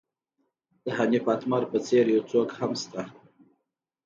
د حنیف اتمر په څېر یو څوک هم شته.